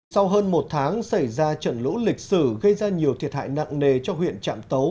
sau hơn một tháng xảy ra trận lũ lịch sử gây ra nhiều thiệt hại nặng nề cho huyện trạm tấu